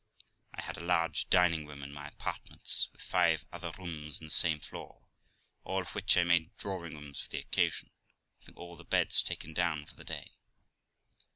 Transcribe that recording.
I had a large dining room in my apartments, with five other rooms on the same floor, all which I made drawing rooms for the occasion, having all the beds taken down for the day.